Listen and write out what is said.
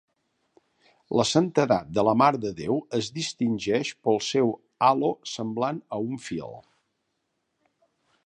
La santedat de la mare de Déu es distingeix pel seu Halo semblant a un fil.